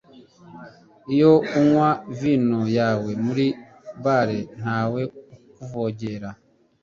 Iyo unywa vino yawe, muri bare ntawe ukuvogera